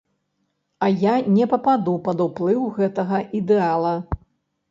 А я не пападу пад уплыў гэтага ідэала!